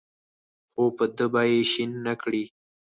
خو په ده به یې شین نکړې.